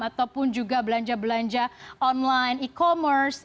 ataupun juga belanja belanja online e commerce